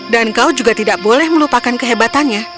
dan kau juga tidak boleh melupakan kehebatannya